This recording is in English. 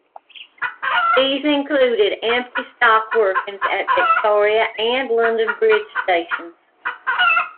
These included empty stock workings at Victoria and London Bridge Stations.